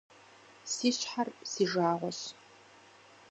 Си щхьэр си жагъуэщ.